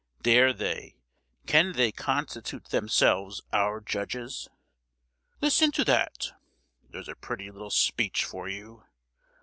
Dare they, can they constitute themselves our judges?" "Listen to that!" "There's a pretty little speech for you!"